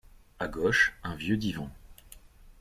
À gauche, un vieux divan…